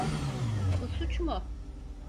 Bu suç mu?